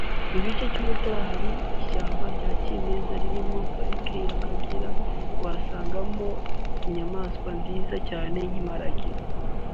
mu gice cy’umutara harimo ishyamba rya kimeza ririmo parike y’Akagera wasangagamo inyamaswa nziza cyane z’Imparage